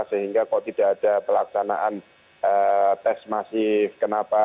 sehingga kalau tidak ada pelaksanaan tes masif kenapa